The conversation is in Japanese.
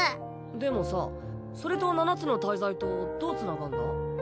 でもさそれと七つの大罪とどうつながんだ？